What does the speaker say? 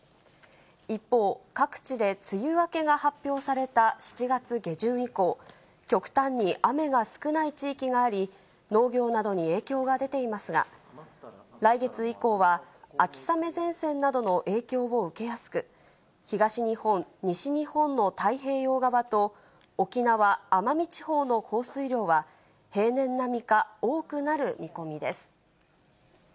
一方、各地で梅雨明けが発表された７月下旬以降、極端に雨が少ない地域があり、農業などに影響が出ていますが、来月以降は秋雨前線などの影響を受けやすく、東日本、西日本の太平洋側と、沖縄・奄美地方の降水量は平年並みか多くなる見込みです。